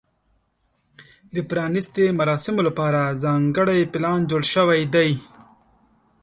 د پرانیستې مراسمو لپاره ځانګړی پلان جوړ شوی دی.